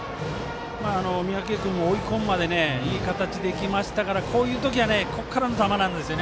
三宅君も、追い込むまでいい形でいきましたからこういう時はこっからの球なんですよね。